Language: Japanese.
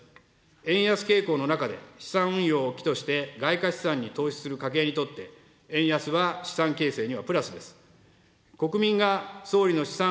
円安傾向の中で、資産運用をきとして外貨資産に投資する家計にとって、円安は資産形成にはプラスです。